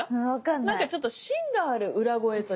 なんかちょっとしんがある裏声というか。